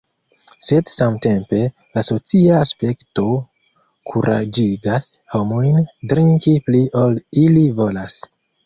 Sed samtempe, la socia aspekto kuraĝigas homojn drinki pli ol ili volas.